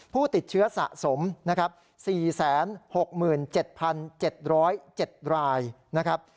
ผู้ติดเชื้อสะสมนะครับ๔๖๗๗๐๗รายนะครับ